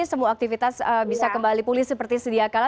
semua aktivitas bisa kembali pulih seperti sediakala